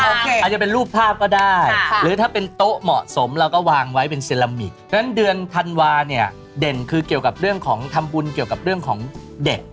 อาจจะเป็นรูปภาพก็ได้หรือถ้าเป็นโต๊ะเหมาะสมเราก็วางไว้เป็นเซรามิกฉะนั้นเดือนธันวาเนี่ยเด่นคือเกี่ยวกับเรื่องของทำบุญเกี่ยวกับเรื่องของเด็ก